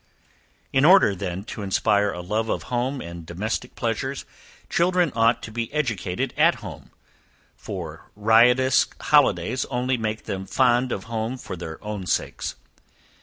In order then to inspire a love of home and domestic pleasures, children ought to be educated at home, for riotous holidays only make them fond of home for their own sakes.